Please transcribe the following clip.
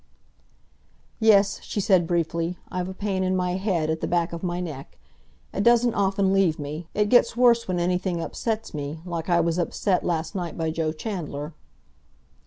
"Yes," she said briefly, "I've a pain in my head, at the back of my neck. It doesn't often leave me; it gets worse when anything upsets me, like I was upset last night by Joe Chandler."